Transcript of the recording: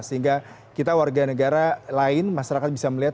sehingga kita warga negara lain masyarakat bisa melihat